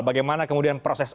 bagaimana kemudian proses